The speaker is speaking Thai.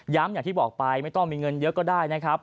อย่างที่บอกไปไม่ต้องมีเงินเยอะก็ได้นะครับ